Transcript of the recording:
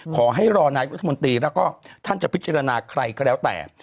ขอให้รอนายุทธมนตรีแล้วก็ท่านจะพิจารณาใครก็แล้วแต่